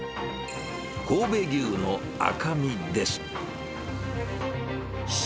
神戸牛の赤身です。